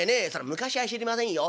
昔は知りませんよ。